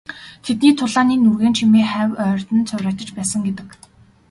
Тэдний тулааны нүргээн чимээ хавь ойрд нь цуурайтаж байсан гэдэг.